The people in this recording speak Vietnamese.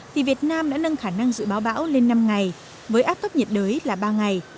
thì việt nam đã nâng khả năng dự báo bão lên năm ngày với áp thấp nhiệt đới là ba ngày